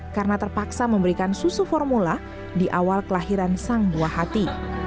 karena terpaksa memberikan susu formula di awal kelahiran sang buah hati